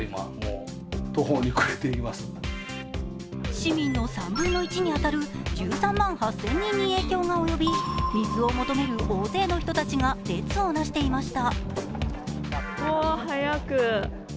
市民の３分の１に当たる１３万８０００人に影響が及び、水を求める大勢の人たちが列をなしていました。